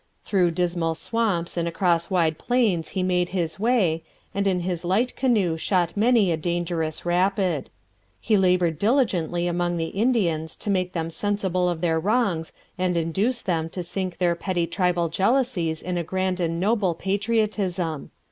Through dismal swamps and across wide plains he made his way, and in his light canoe shot many a dangerous rapid. He laboured diligently among the Indians to make them sensible of their wrongs and induce them to sink their petty tribal jealousies in a grand and noble patriotism.